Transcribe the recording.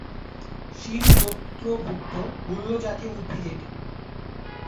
শিম গোত্র ভুক্ত গুল্ম জাতীয় উদ্ভিদ এটি।